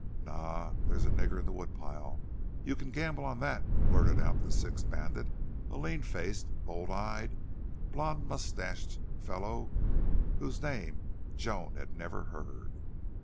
"Naw! There's a nigger in the wood pile, you can gamble on thet," blurted out the sixth bandit, a lean faced, bold eye, blond mustached fellow whose name Joan had never heard.